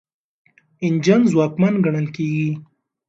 انجن ځواکمن ګڼل کیږي.